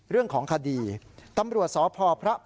เรื่องของคดีตำรวจสพพระ